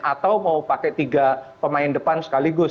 atau mau pakai tiga pemain depan sekaligus